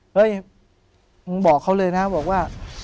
เฮ้ยมึงบอกเขาเลยนะบอกว่า